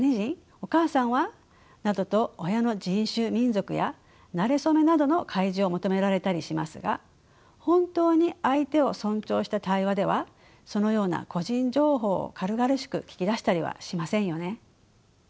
お母さんは？などと親の人種民族やなれ初めなどの開示を求められたりしますが本当に相手を尊重した対話ではそのような個人情報を軽々しく聞き出したりはしませんよね。